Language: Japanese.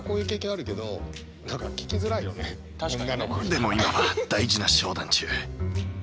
でも今は大事な商談中。